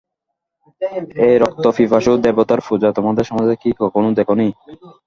এই রক্তপিপাসু দেবতার পূজা তোমাদের সমাজে কি কখনো দেখ নি?